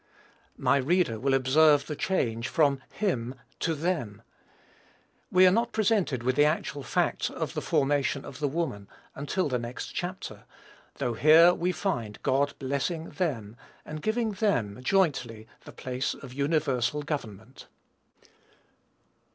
My reader will observe the change from "him" to "them." We are not presented with the actual fact of the formation of the woman, until the next chapter; though here we find God blessing "them," and giving "them" jointly the place of universal government.